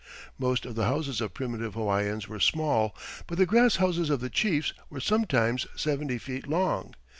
Most of the houses of primitive Hawaiians were small, but the grass houses of the chiefs were sometimes seventy feet long.